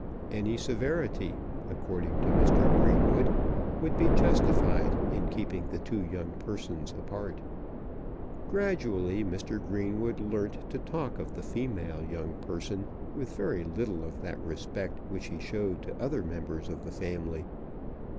Any severity, according to Mr. Greenwood, would be justified in keeping the two young persons apart. Gradually Mr. Greenwood learnt to talk of the female young person with very little of that respect which he showed to other members of the family.